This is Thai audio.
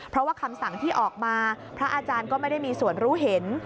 เพราะว่าคำสั่งที่ออกมาพระอาจารย์ก็ไม่ได้มีส่วนรู้เห็น